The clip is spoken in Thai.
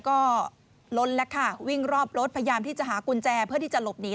ก็ล้นแล้วค่ะวิ่งรอบรถพยายามที่จะหากุญแจเพื่อที่จะหลบหนี